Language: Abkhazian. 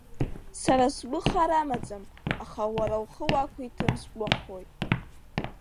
Сара сгәы хар амаӡам, аха уара ухы уакәиҭым сгәахәуеит!